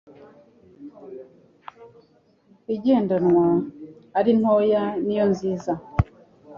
igendanwa ari ntoya niyo nziza